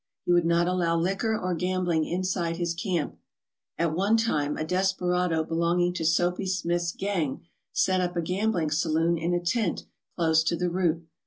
He would not allow liquor or gambling inside his camp. At one time a desperado belonging to Soapy Smith's gang set up a gambling saloon in a tent close to the route.